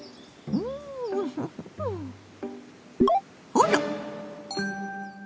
あら！